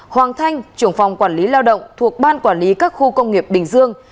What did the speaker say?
hoàng thanh trưởng phòng quản lý lao động thuộc ban quản lý các khu công nghiệp bình dương